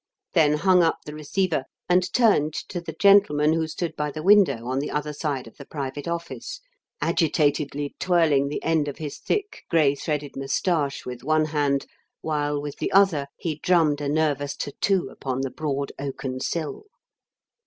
then hung up the receiver and turned to the gentleman who stood by the window on the other side of the private office, agitatedly twirling the end of his thick grey threaded moustache with one hand, while with the other he drummed a nervous tattoo upon the broad oaken sill.